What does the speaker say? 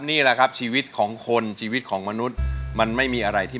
นี่แหละครับชีวิตของคนชีวิตของมนุษย์มันไม่มีอะไรที่